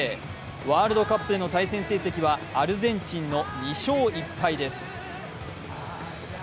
ワールドカップでの対戦成績はアルゼンチンの２勝１敗です。